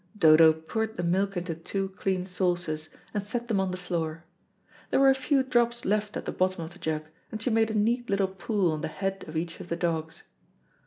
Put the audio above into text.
Dodo poured the milk into two clean saucers, and set them on the floor. There were a few drops left at the bottom of the jug, and she made a neat little pool on the head of each of the dogs.